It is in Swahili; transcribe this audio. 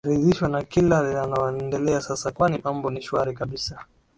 aridhishwa na kila linaloendelea sasa kwani mambo ni shwari kabisa